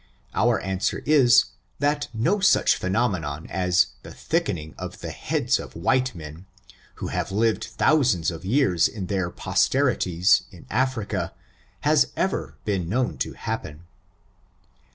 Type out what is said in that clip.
Our answer is, that no such phenomenon as the thicken ing of the heads of white men, who have lived thou sands of years in their posterities, in Africa, has ever been known to happen.